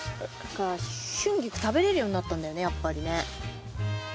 シュンギク食べれるようになったんだよねやっぱりね。